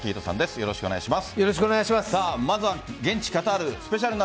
よろしくお願いします。